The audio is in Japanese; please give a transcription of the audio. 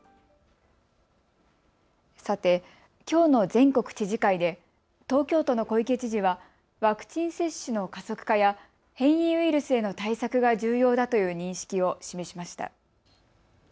さてきょうの全国知事会で東京都の小池知事はワクチン接種の加速化や変異ウイルスへの対策が重要だという認識を示しました。